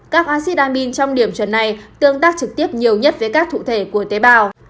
các acid amin trong điểm chuẩn này tương tác trực tiếp nhiều nhất với các cụ thể của tế bào